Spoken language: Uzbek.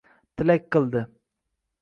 Tilak qildi